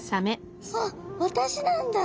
あっ私なんだ。